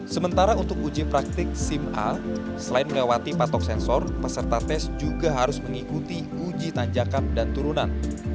sementara untuk uji praktik sim a selain melewati patok sensor peserta tes juga harus mengikuti uji tanjakan dan turunan